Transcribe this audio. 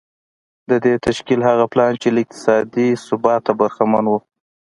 د دې تشکيل هغه پلان چې له اقتصادي ثباته برخمن و.